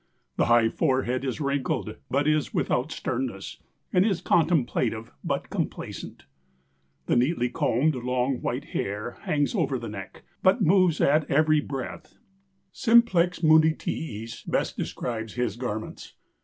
The high forehead is wrinkled, but is without sternness, and is contemplative but complacent. The neatly combed long white hair hangs over the neck, but moves at every breath. Simplex munditiis best describes his garments.